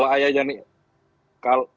ayah dan ibu naufal